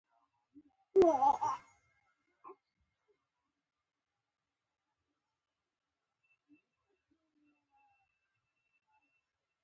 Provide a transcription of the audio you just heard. کمپیوټر ساینس د ټکنالوژۍ اساس ګڼل کېږي.